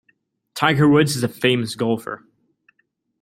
Tiger Woods is a famous golfer.